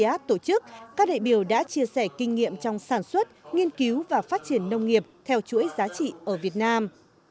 các tổ chức các đại biểu đã chia sẻ kinh nghiệm trong sản xuất nghiên cứu và phát triển nông nghiệp theo chuỗi giá trị ở việt nam